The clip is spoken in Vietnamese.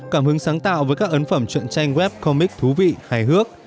cảm hứng sáng tạo với các ấn phẩm chuyện tranh web comic thú vị hài hước